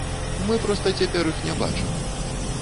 Мы проста цяпер іх не бачым!